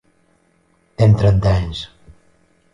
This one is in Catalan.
Tinc trenta anys.